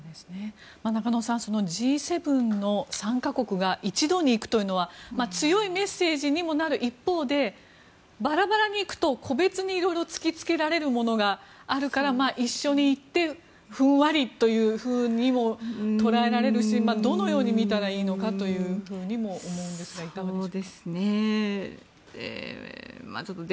中野さん、Ｇ７の３か国が一度に行くというのは強いメッセージにもなる一方でバラバラに行くと個別に色々突きつけられるものがあるから一緒に行ってふんわりというにも捉えられるしどのように見たらいいのかとも思うんですがいかがですか。